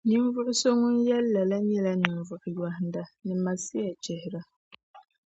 Ninvuɣ’ so ŋun yɛli lala nyɛla ninvuɣ’ yɔhinda ni Masiachihira.